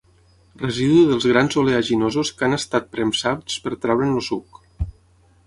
Residu dels grans oleaginosos que han estat premsats per treure'n el suc.